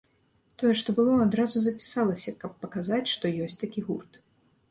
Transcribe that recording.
Тое, што было, адразу запісалася, каб паказаць, што ёсць такі гурт.